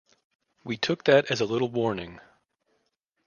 We took that as a little warning.